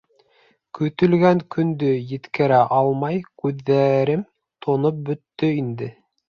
Көтөлгән көндө еткерә алмай, күҙҙәрем тоноп бөттө инде.